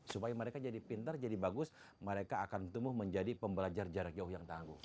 supaya mereka jadi pintar jadi bagus mereka akan tumbuh menjadi pembelajar jarak jauh yang tangguh